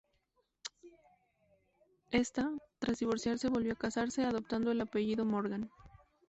Ésta, tras divorciarse volvió a casarse, adoptando el apellido "Morgan".